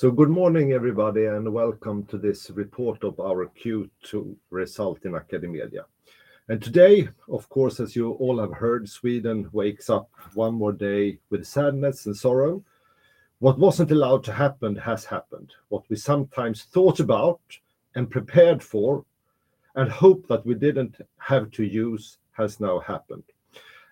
Good morning, everybody, and welcome to this report of our Q2 result in AcadeMedia. Today, of course, as you all have heard, Sweden wakes up one more day with sadness and sorrow. What wasn't allowed to happen has happened. What we sometimes thought about and prepared for and hoped that we didn't have to use has now happened.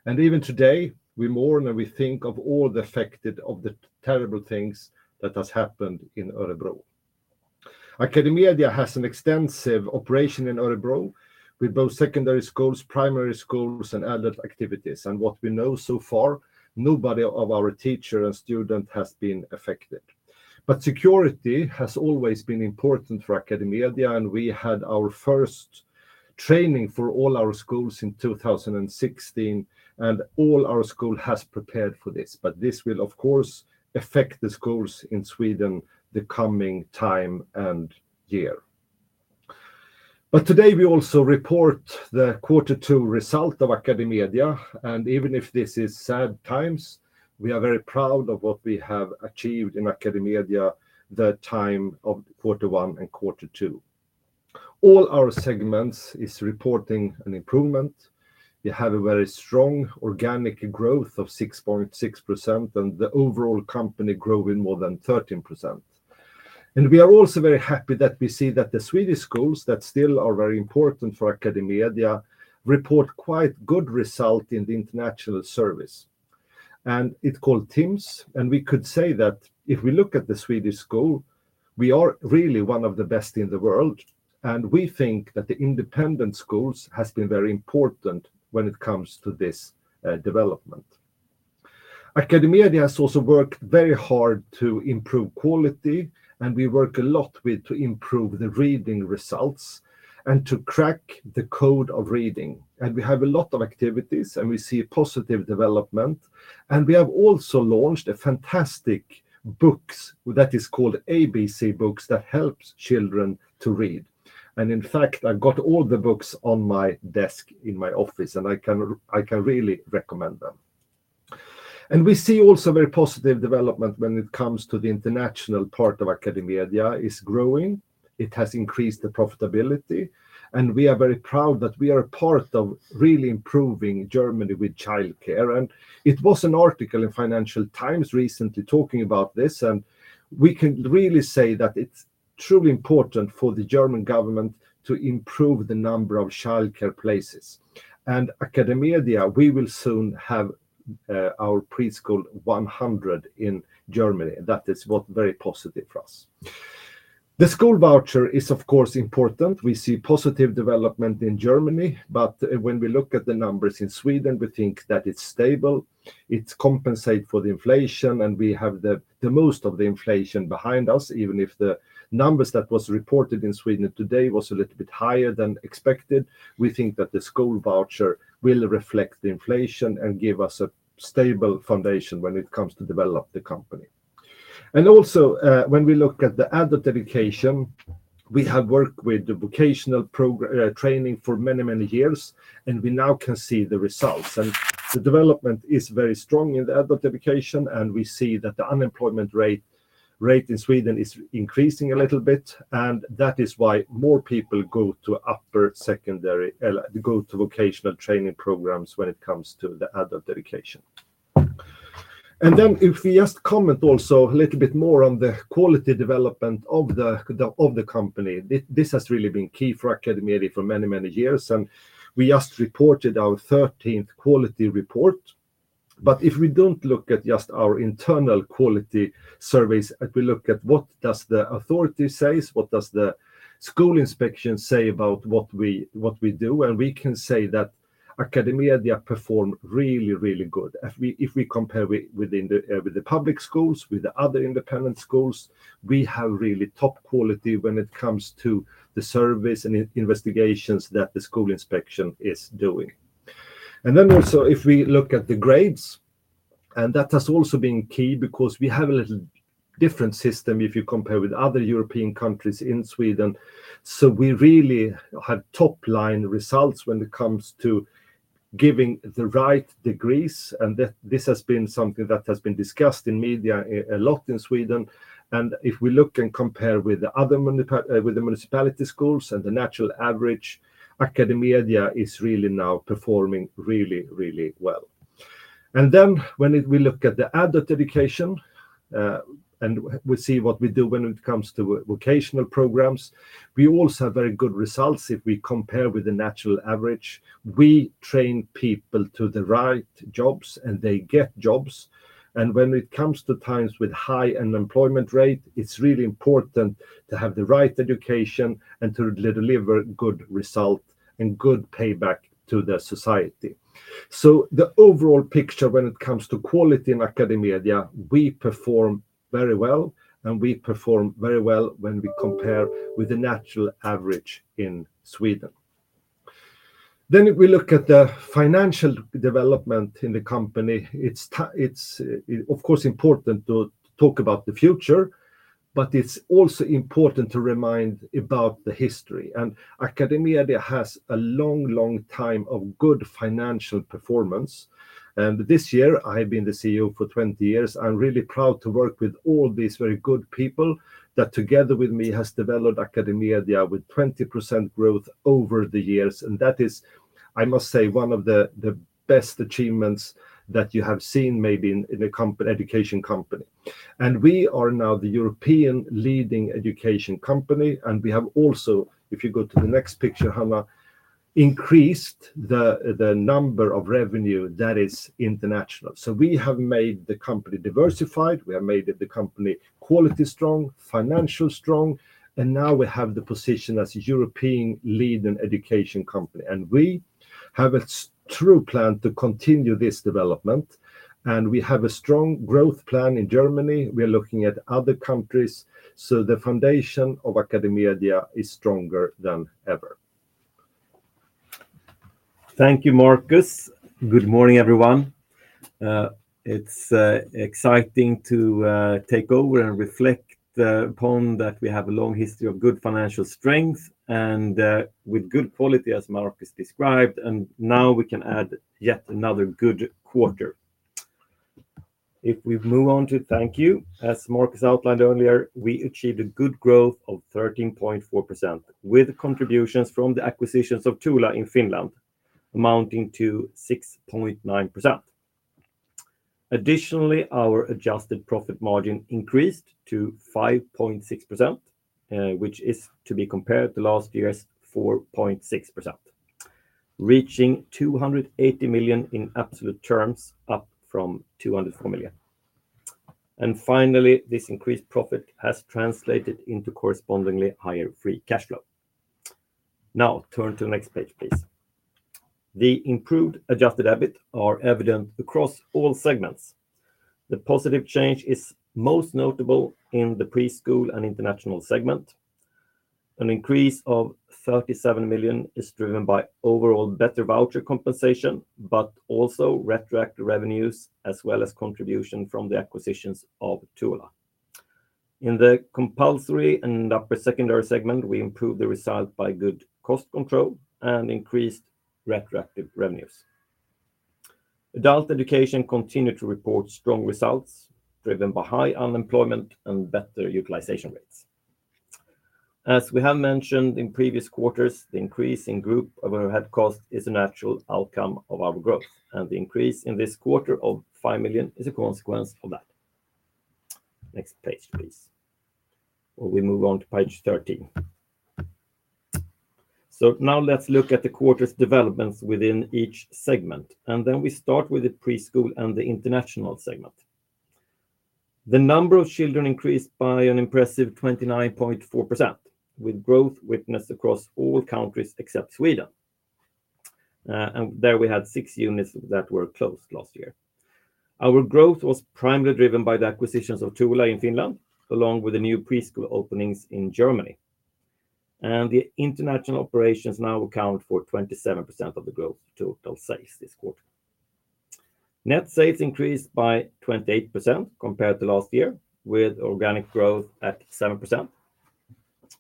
Even today, we mourn and we think of all the affected of the terrible things that have happened in Örebro. AcadeMedia has an extensive operation in Örebro with both secondary schools, primary schools, and other activities. What we know so far, nobody of our teachers and students has been affected. But security has always been important for AcadeMedia, and we had our first training for all our schools in 2016, and all our schools have prepared for this. But this will, of course, affect the schools in Sweden the coming time and year. But today we also report the Q2 result of AcadeMedia, and even if this is sad times, we are very proud of what we have achieved in AcadeMedia the time of Q1 and Q2. All our segments are reporting an improvement. We have a very strong organic growth of 6.6%, and the overall company growth is more than 13%. And we are also very happy that we see that the Swedish schools that still are very important for AcadeMedia report quite good results in the international survey. And it's called TIMSS, and we could say that if we look at the Swedish school, we are really one of the best in the world, and we think that the independent schools have been very important when it comes to this development. AcadeMedia has also worked very hard to improve quality, and we work a lot to improve the reading results and to crack the code of reading. We have a lot of activities, and we see positive development. We have also launched a fantastic book that is called ABC Books that helps children to read. In fact, I got all the books on my desk in my office, and I can really recommend them. We see also very positive development when it comes to the international part of AcadeMedia, it is growing, it has increased the profitability, and we are very proud that we are part of really improving Germany with childcare. It was an article in Financial Times recently talking about this, and we can really say that it's truly important for the German government to improve the number of childcare places. And AcadeMedia, we will soon have our preschool 100 in Germany. That is very positive for us. The school voucher is, of course, important. We see positive development in Germany, but when we look at the numbers in Sweden, we think that it's stable, it's compensated for the inflation, and we have the most of the inflation behind us, even if the numbers that were reported in Sweden today were a little bit higher than expected. We think that the school voucher will reflect the inflation and give us a stable foundation when it comes to develop the company. And also, when we look at the adult education, we have worked with the vocational program training for many, many years, and we now can see the results. And the development is very strong in the adult education, and we see that the unemployment rate in Sweden is increasing a little bit, and that is why more people go to upper secondary and go to vocational training programs when it comes to the adult education. And then if we just comment also a little bit more on the quality development of the company, this has really been key for AcadeMedia for many, many years, and we just reported our 13th quality report. But if we don't look at just our internal quality surveys, if we look at what does the authority say, what does the school inspection say about what we do, and we can say that AcadeMedia performed really, really well. If we compare with the public schools, with the other independent schools, we have really top quality when it comes to the service and investigations that the school inspection is doing. And then also, if we look at the grades, and that has also been key because we have a different system if you compare with other European countries in Sweden, so we really had top-line results when it comes to giving the right degrees, and this has been something that has been discussed in media a lot in Sweden. And if we look and compare with the other municipality schools and the national average, AcadeMedia is really now performing really, really well. And then when we look at the adult education and we see what we do when it comes to vocational programs, we also have very good results if we compare with the national average. We train people to the right jobs, and they get jobs. And when it comes to times with high unemployment rate, it's really important to have the right education and to deliver good results and good payback to society. So the overall picture when it comes to quality in AcadeMedia, we perform very well, and we perform very well when we compare with the national average in Sweden. Then if we look at the financial development in the company, it's, of course, important to talk about the future, but it's also important to remind about the history. And AcadeMedia has a long, long time of good financial performance. And this year, I've been the CEO for 20 years. I'm really proud to work with all these very good people that together with me have developed AcadeMedia with 20% growth over the years. And that is, I must say, one of the best achievements that you have seen, maybe in an education company. And we are now the European leading education company, and we have also, if you go to the next picture, Hanna, increased the number of revenue that is international. So we have made the company diversified, we have made the company quality strong, financial strong, and now we have the position as a European leading education company. And we have a true plan to continue this development, and we have a strong growth plan in Germany. We are looking at other countries, so the foundation of AcadeMedia is stronger than ever. Thank you, Marcus. Good morning, everyone. It's exciting to take over and reflect upon that we have a long history of good financial strength and with good quality, as Marcus described, and now we can add yet another good quarter. If we move on to thank you, as Marcus outlined earlier, we achieved a good growth of 13.4% with contributions from the acquisitions of Touhula in Finland, amounting to 6.9%. Additionally, our adjusted profit margin increased to 5.6%, which is to be compared to last year's 4.6%, reaching 280 million SEK in absolute terms, up from 204 million SEK. and finally, this increased profit has translated into correspondingly higher free cash flow. Now, turn to the next page, please. The improved adjusted EBIT are evident across all segments. The positive change is most notable in the preschool and international segment. An increase of 37 million SEK is driven by overall better voucher compensation, but also retroactive revenues, as well as contributions from the acquisitions of Touhula. In the compulsory and upper secondary segment, we improved the result by good cost control and increased retroactive revenues. Adult education continued to report strong results, driven by high unemployment and better utilization rates. As we have mentioned in previous quarters, the increase in group overhead cost is a natural outcome of our growth, and the increase in this quarter of 5 million SEK is a consequence of that. Next page, please. We move on to page 13, so now let's look at the quarter's developments within each segment, and then we start with the preschool and the international segment. The number of children increased by an impressive 29.4%, with growth witnessed across all countries except Sweden. There we had six units that were closed last year. Our growth was primarily driven by the acquisitions of Touhula in Finland, along with the new preschool openings in Germany. The international operations now account for 27% of the growth total sales this quarter. Net sales increased by 28% compared to last year, with organic growth at 7%.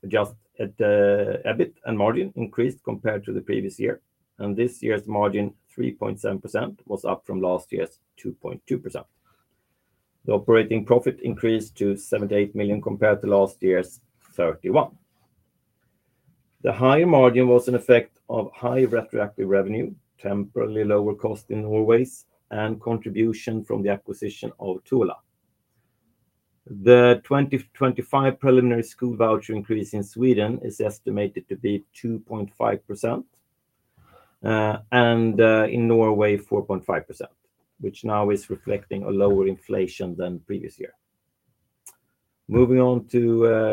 Adjusted EBIT and margin increased compared to the previous year, and this year's margin, 3.7%, was up from last year's 2.2%. The operating profit increased to 78 million SEK compared to last year's 31 million SEK. The higher margin was an effect of high retroactive revenue, temporarily lower cost in Norway, and contribution from the acquisition of Touhula. The 2025 preliminary school voucher increase in Sweden is estimated to be 2.5%, and in Norway, 4.5%, which now is reflecting a lower inflation than previous year. Moving on to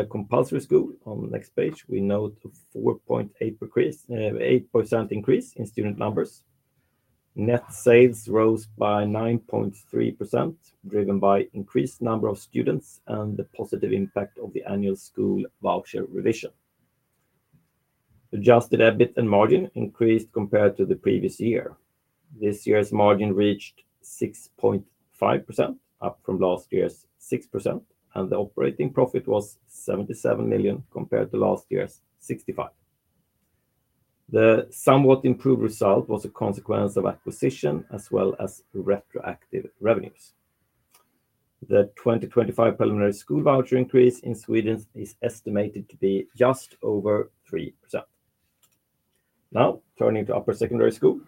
compulsory school, on the next page, we note a 4.8% increase in student numbers. Net sales rose by 9.3%, driven by an increased number of students and the positive impact of the annual school voucher revision. Adjusted EBIT and margin increased compared to the previous year. This year's margin reached 6.5%, up from last year's 6%, and the operating profit was 77 million compared to last year's 65 million. The somewhat improved result was a consequence of acquisition as well as retroactive revenues. The 2025 preliminary school voucher increase in Sweden is estimated to be just over 3%. Now, turning to upper secondary school,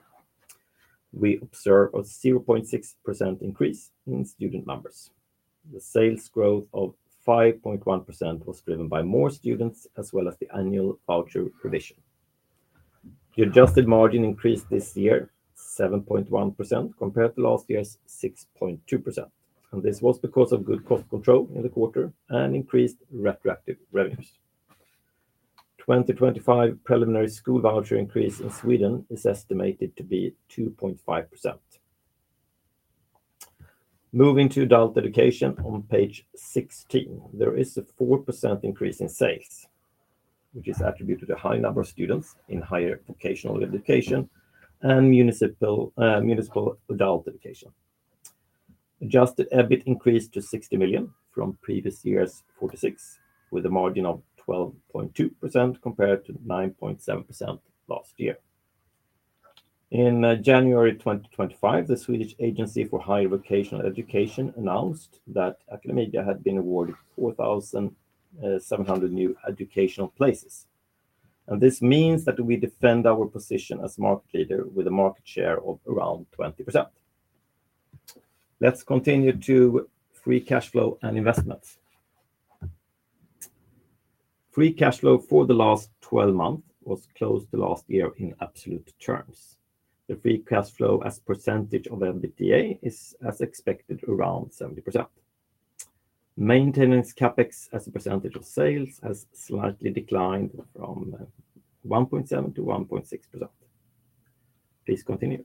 we observe a 0.6% increase in student numbers. The sales growth of 5.1% was driven by more students as well as the annual voucher revision. The adjusted margin increased this year, 7.1%, compared to last year's 6.2%. This was because of good cost control in the quarter and increased retroactive revenues. 2025 preliminary school voucher increase in Sweden is estimated to be 2.5%. Moving to adult education, on page 16, there is a 4% increase in sales, which is attributed to a high number of students in higher vocational education and municipal adult education. Adjusted EBIT increased to 60 million from previous year's 46 million, with a margin of 12.2% compared to 9.7% last year. In January 2025, the Swedish Agency for Higher Vocational Education announced that AcadeMedia had been awarded 4,700 new educational places. This means that we defend our position as market leader with a market share of around 20%. Let's continue to free cash flow and investments. Free cash flow for the last 12 months was closed the last year in absolute terms. The free cash flow as percentage of EBITDA is, as expected, around 70%. Maintenance CapEx as a percentage of sales has slightly declined from 1.7% to 1.6%. Please continue.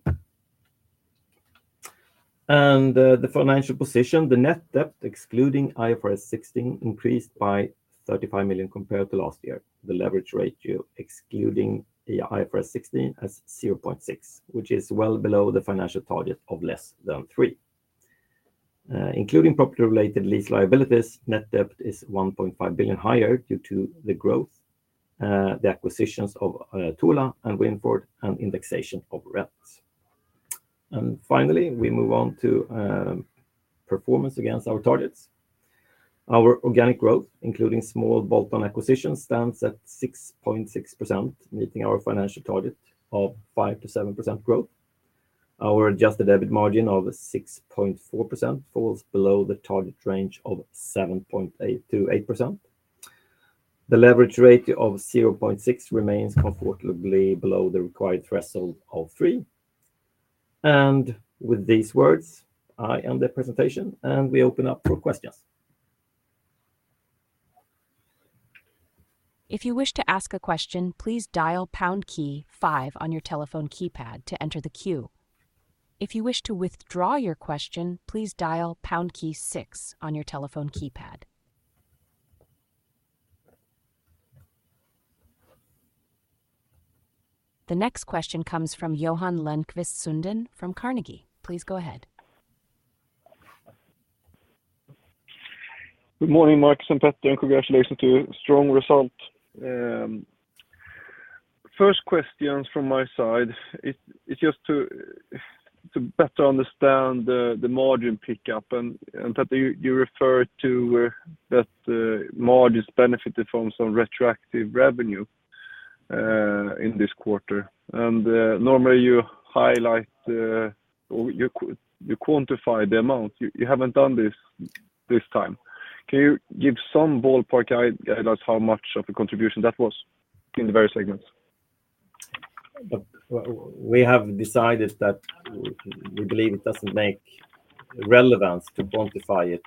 The financial position, the net debt excluding IFRS 16 increased by 35 million compared to last year. The leverage ratio excluding IFRS 16 is 0.6, which is well below the financial target of less than 3. Including property-related lease liabilities, net debt is 1.5 billion higher due to the growth, the acquisitions of Touhula and Winford, and indexation of rents. Finally, we move on to performance against our targets. Our organic growth, including small bolt-on acquisitions, stands at 6.6%, meeting our financial target of 5-7% growth. Our adjusted EBIT margin of 6.4% falls below the target range of 7.8%. The leverage ratio of 0.6 remains comfortably below the required threshold of 3. With these words, I end the presentation, and we open up for questions. If you wish to ask a question, please dial pound key 5 on your telephone keypad to enter the queue. If you wish to withdraw your question, please dial pound key 6 on your telephone keypad. The next question comes from Johan Lönnqvist Sundén from Carnegie. Please go ahead. Good morning, Marcus and Petter, and congratulations to a strong result. First question from my side is just to better understand the margin pickup, and Petter, you referred to that margin's benefited from some retroactive revenue in this quarter, and normally you highlight or you quantify the amount. You haven't done this this time. Can you give some ballpark guidelines how much of a contribution that was in the various segments? We have decided that we believe it doesn't make sense to quantify it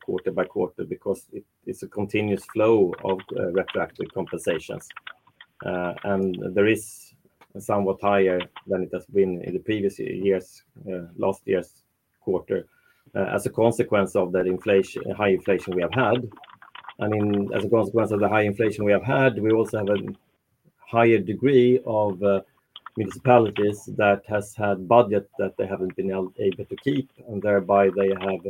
quarter by quarter because it's a continuous flow of retroactive compensations. It is somewhat higher than it has been in the previous years, last quarter, as a consequence of that high inflation we have had. As a consequence of the high inflation we have had, we also have a higher degree of municipalities that have had budgets that they haven't been able to keep, and thereby they have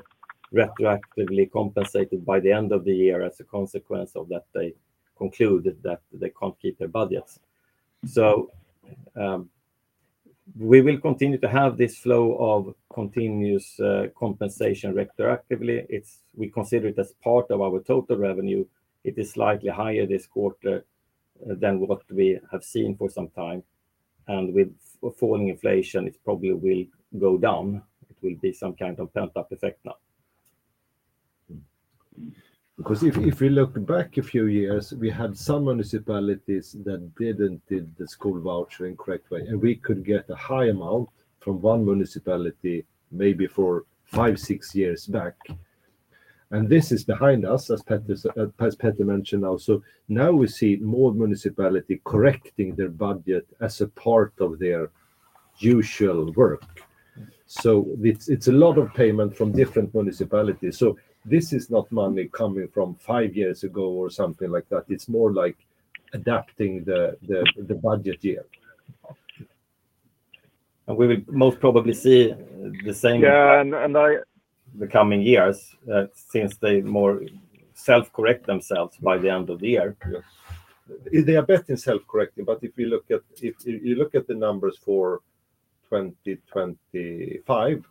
retroactively compensated by the end of the year as a consequence of that they concluded that they can't keep their budgets. We will continue to have this flow of continuous compensation retroactively. We consider it as part of our total revenue. It is slightly higher this quarter than what we have seen for some time. With falling inflation, it probably will go down. It will be some kind of pent-up effect now. Because if we look back a few years, we had some municipalities that didn't do the school voucher in the correct way, and we could get a high amount from one municipality maybe for five, six years back, and this is behind us, as Petter mentioned also. Now we see more municipalities correcting their budget as a part of their usual work, so it's a lot of payment from different municipalities, so this is not money coming from five years ago or something like that. It's more like adapting the budget year. We will most probably see the same. Yeah, and. The coming years, since they more self-correct themselves by the end of the year. They are better in self-correcting, but if you look at the numbers for 2025,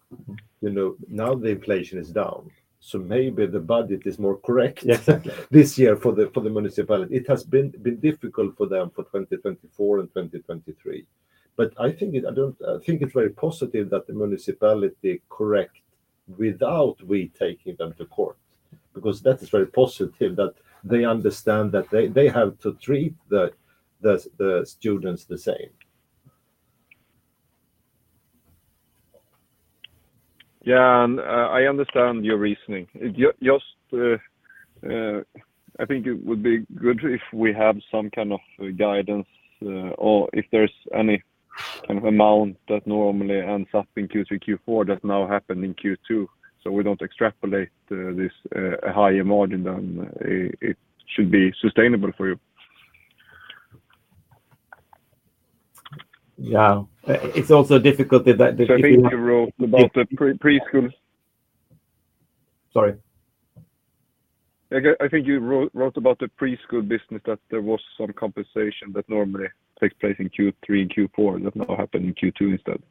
now the inflation is down. So maybe the budget is more correct this year for the municipality. It has been difficult for them for 2024 and 2023. But I think it's very positive that the municipality corrects without we taking them to court. Because that is very positive that they understand that they have to treat the students the same. Yeah, and I understand your reasoning. Just I think it would be good if we have some kind of guidance or if there's any kind of amount that normally ends up in Q3, Q4 that now happened in Q2. So we don't extrapolate this higher margin than it should be sustainable for you. Yeah, it's also difficult if. I think you wrote about the preschool. Sorry. I think you wrote about the preschool business that there was some compensation that normally takes place in Q3 and Q4 that now happened in Q2 instead.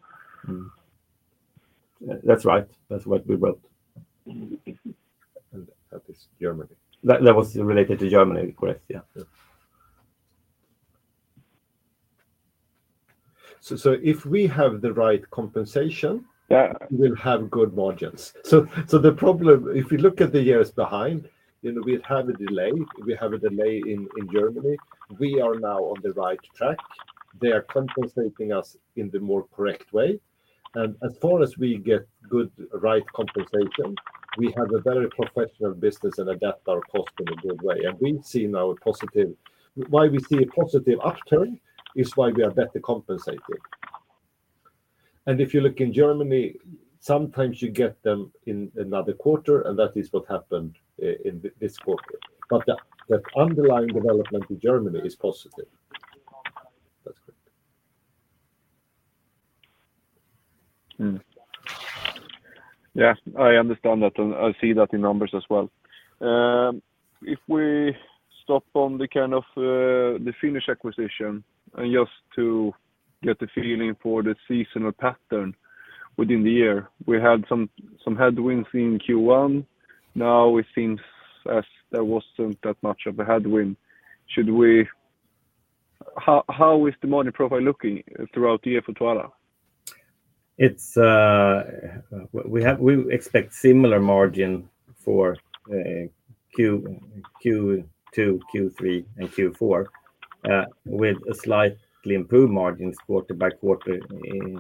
That's right. That's what we wrote. That is Germany. That was related to Germany, correct, yeah. If we have the right compensation, we'll have good margins. The problem, if we look at the years behind, we have a delay. We have a delay in Germany. We are now on the right track. They are compensating us in the more correct way. As far as we get good, right compensation, we have a very professional business and adapt our cost in a good way. We've seen our positive. Why we see a positive upturn is why we are better compensated. If you look in Germany, sometimes you get them in another quarter, and that is what happened in this quarter. The underlying development in Germany is positive. That's correct. Yeah, I understand that, and I see that in numbers as well. If we stop on the kind of the Finnish acquisition, and just to get a feeling for the seasonal pattern within the year, we had some headwinds in Q1. Now it seems as there wasn't that much of a headwind. So, how is the margin profile looking throughout the year for Touhula? We expect similar margin for Q2, Q3, and Q4, with a slightly improved margins quarter by quarter,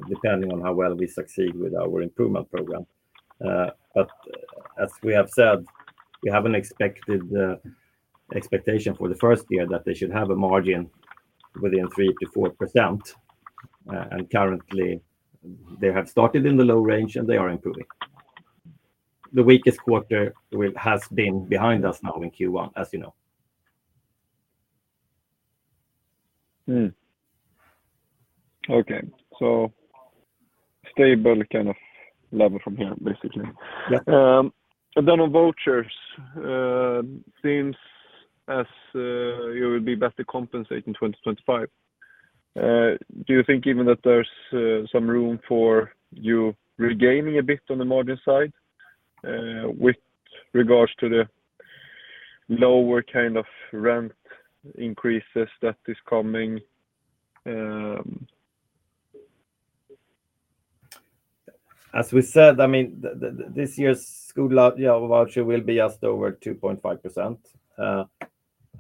depending on how well we succeed with our improvement program. But as we have said, we have an expected expectation for the first year that they should have a margin within 3%-4%. Currently, they have started in the low range, and they are improving. The weakest quarter has been behind us now in Q1, as you know. Stable kind of level from here, basically. And then on vouchers, since as you will be better compensated in 2025, do you think even that there's some room for you regaining a bit on the margin side with regards to the lower kind of rent increases that is coming? As we said, I mean, this year's school voucher will be just over 2.5%.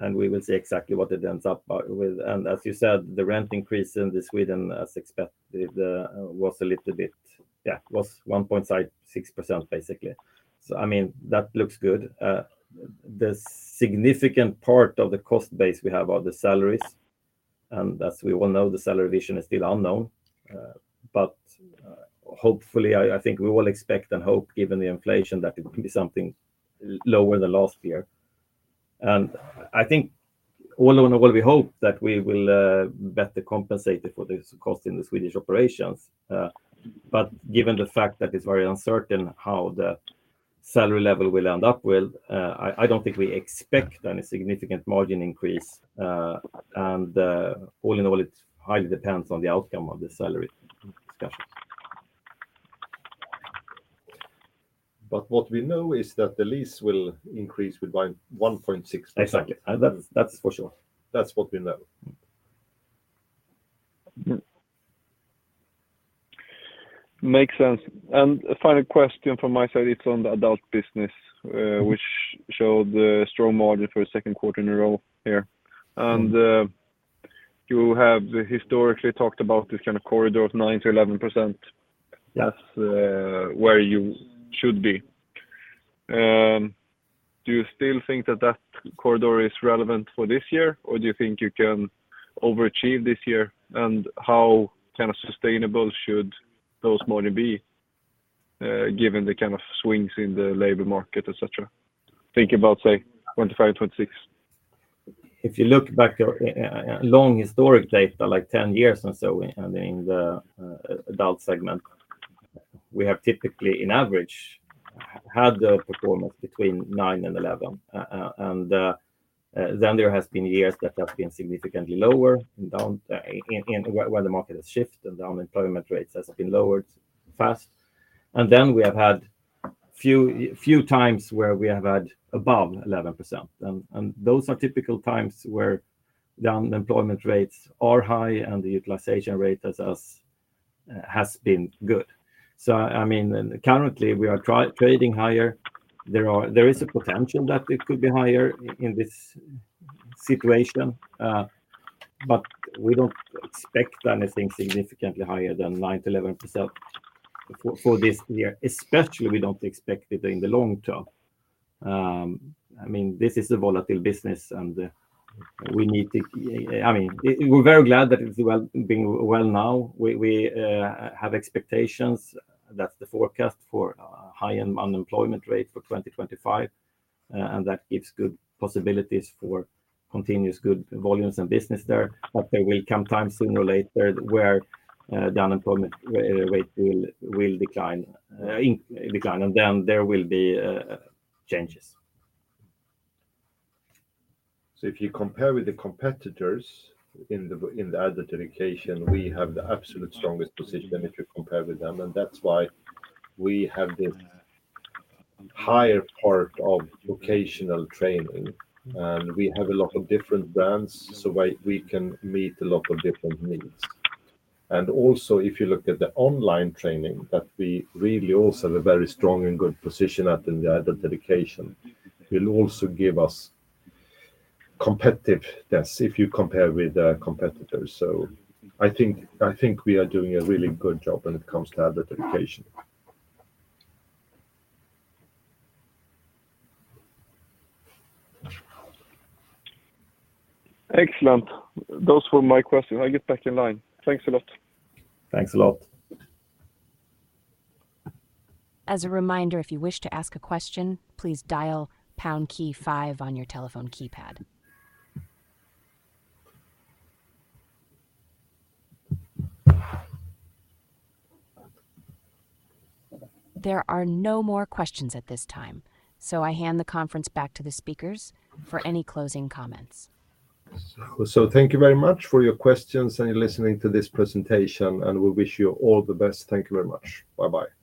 And we will see exactly what it ends up with. And as you said, the rent increase in Sweden, as expected, was a little bit, yeah, was 1.6% basically. So I mean, that looks good. The significant part of the cost base we have are the salaries. And as we all know, the salary revision is still unknown. But hopefully, I think we will expect and hope, given the inflation, that it will be something lower than last year. And I think all in all, we hope that we will better compensate for this cost in the Swedish operations. But given the fact that it's very uncertain how the salary level will end up, I don't think we expect any significant margin increase. All in all, it highly depends on the outcome of the salary discussions. But what we know is that the lease will increase by 1.6%. Exactly. That's for sure. That's what we know. Makes sense. And final question from my side, it's on the adult business, which showed a strong margin for the second quarter in a row here. And you have historically talked about this kind of corridor of 9%-11%. That's where you should be. Do you still think that that corridor is relevant for this year, or do you think you can overachieve this year? And how kind of sustainable should those margins be given the kind of swings in the labor market, etc.? Think about, say, 2025, 2026. If you look back at long historical data, like 10 years or so in the adult segment, we have typically, on average, had a performance between 9% and 11%. And then there have been years that have been significantly lower when the market has shifted and the unemployment rates have been lowered fast. And then we have had a few times where we have had above 11%. And those are typical times where the unemployment rates are high and the utilization rate has been good. So I mean, currently, we are trading higher. There is a potential that it could be higher in this situation. But we don't expect anything significantly higher than 9%-11% for this year. Especially, we don't expect it in the long term. I mean, this is a volatile business, and we need to, I mean, we're very glad that it's been well now. We have expectations that the forecast for a high unemployment rate for 2025, and that gives good possibilities for continuous good volumes and business there. But there will come times sooner or later where the unemployment rate will decline. And then there will be changes. So if you compare with the competitors in adult education, we have the absolute strongest position if you compare with them. And that's why we have the higher part of vocational training. And we have a lot of different brands, so we can meet a lot of different needs. And also, if you look at the online training that we really also have a very strong and good position at in adult education, will also give us competitiveness if you compare with the competitors. So I think we are doing a really good job when it comes to adult education. Excellent. Those were my questions. I'll get back in line. Thanks a lot. Thanks a lot. As a reminder, if you wish to ask a question, please dial pound key 5 on your telephone keypad. There are no more questions at this time, so I hand the conference back to the speakers for any closing comments. Thank you very much for your questions and your listening to this presentation, and we wish you all the best. Thank you very much. Bye-bye. Thank you.